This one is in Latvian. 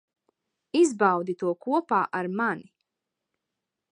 Izbaudi to kopā ar mani.